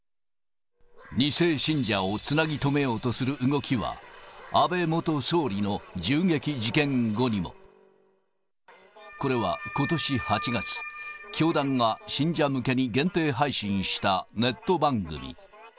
２世信者をつなぎ止めようとする動きは、安倍元総理の銃撃事件後にも。これはことし８月、教団が信者向けに限定配信したネット番組。